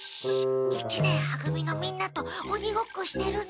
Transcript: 一年は組のみんなとおにごっこしてるの。